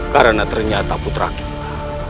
karena ternyata putra kita